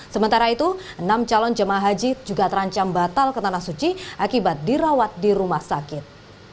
sementara itu enam calon jemaah haji juga terancam batal ke tanah suci akibat dirawat di rumah sakit